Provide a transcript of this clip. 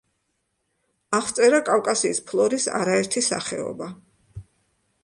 აღწერა კავკასიის ფლორის არაერთი სახეობა.